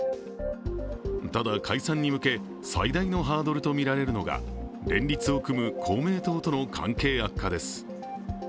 ただ、解散に向け、最大のハードルとみられるのが連立を組む公明党との関係悪化です。